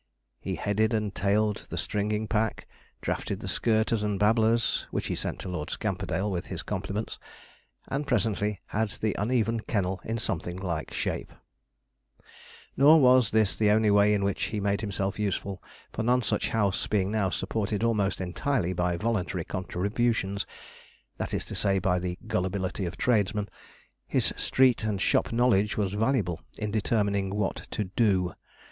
He headed and tailed the stringing pack, drafted the skirters and babblers (which he sent to Lord Scamperdale, with his compliments), and presently had the uneven kennel in something like shape. Nor was this the only way in which he made himself useful, for Nonsuch House being now supported almost entirely by voluntary contributions that is to say, by the gullibility of tradesmen his street and shop knowledge was valuable in determining who to 'do.'